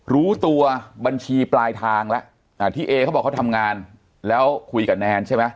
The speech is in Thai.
รู้ตัวบัญชีปลายทางแล้วที่เอเขาบอกเขาทำงานแล้วคุยกับแนนใช่ไหม